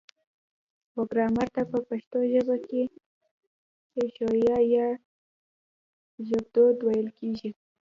و ګرامر ته په پښتو ژبه کې پښويه يا ژبدود ويل کيږي